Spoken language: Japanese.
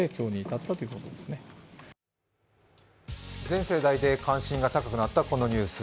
全世代で関心が高くなったこのニュース。